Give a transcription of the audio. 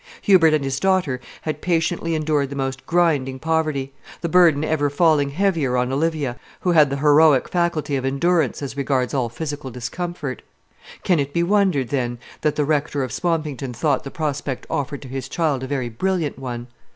Hubert and his daughter had patiently endured the most grinding poverty, the burden ever falling heavier on Olivia, who had the heroic faculty of endurance as regards all physical discomfort. Can it be wondered, then, that the Rector of Swampington thought the prospect offered to his child a very brilliant one?